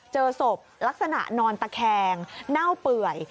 เจอศพลักษณะนอนตะแคงเน่าเปื่อย